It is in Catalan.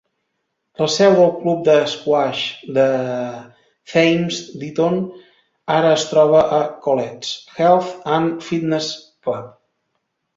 La seu del club d'esquaix de Thames Ditton ara es troba a Colets' Health and Fitness Club.